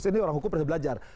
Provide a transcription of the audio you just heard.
ini orang hukum pasti belajar